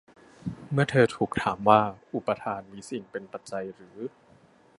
เมื่อเธอถูกถามว่าอุปาทานมีสิ่งเป็นปัจจัยหรือ